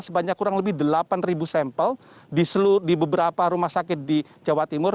sebanyak kurang lebih delapan sampel di beberapa rumah sakit di jawa timur